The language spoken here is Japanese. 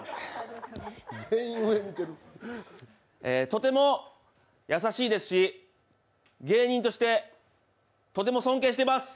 とても優しいですし、芸人としてとても尊敬してます。